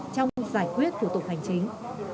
trong giải quyết thủ tục hành chính